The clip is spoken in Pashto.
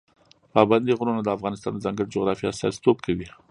پابندي غرونه د افغانستان د ځانګړې جغرافیې استازیتوب کوي.